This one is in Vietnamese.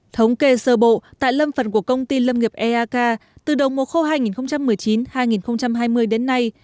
thống kê sơ bộ tại lâm phần của công ty lâm nghiệp eak từ đầu mùa khô hai nghìn một mươi chín hai nghìn hai mươi đến nay